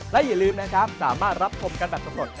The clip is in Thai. และอย่าลืมนะครับสามารถรับชมกันแบบสำรวจ